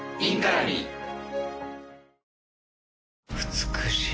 美しい。